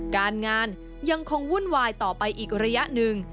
การงานยังคงวุ่นวายต่อไปอีกระยะหนึ่ง